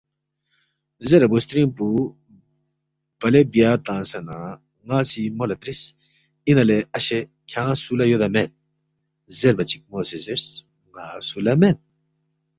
زیرے بُوسترِنگ پو بلے بیا تنگسے نہ ن٘ا سی مو لہ ترِس، اِنا لے اشے کھیانگ سو لہ یودا مید؟ زیربا چِک مو سی زیرس، ن٘ا سُو لہ مید